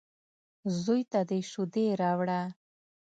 _زوی ته دې شېدې راوړه.